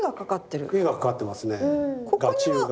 絵が掛かってますね。